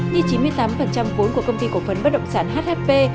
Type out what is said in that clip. như chín mươi tám vốn của công ty cổ phấn bất động sản hhp